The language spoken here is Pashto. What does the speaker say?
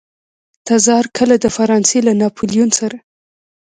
تزار کله د فرانسې له ناپلیون سره.